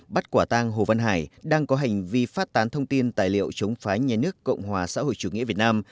bắt quả tang hồ văn hải đang có hành vi phát tán thông tin tài liệu chống phái nhé cộng hòa xã hội chủ nghĩa việt nam